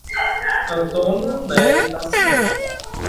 Antônio Nery da Silva